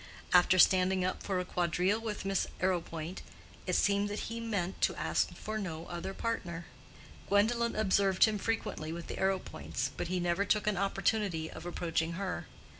After standing up for a quadrille with Miss Arrowpoint, it seemed that he meant to ask for no other partner. Gwendolen observed him frequently with the Arrowpoints, but he never took an opportunity of approaching her.